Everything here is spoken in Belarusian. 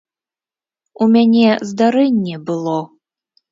У мяне здарэнне было.